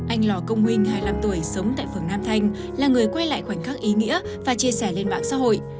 anh lò công huynh hai mươi năm tuổi sống tại phường nam thanh là người quay lại khoảnh khắc ý nghĩa và chia sẻ lên mạng xã hội